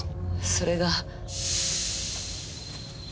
それが。